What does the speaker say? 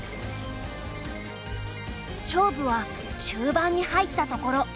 勝負は終盤に入ったところ。